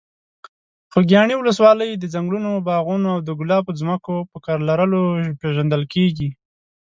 خوږیاڼي ولسوالۍ د ځنګلونو، باغونو او د ګلابو ځمکو په لرلو پېژندل کېږي.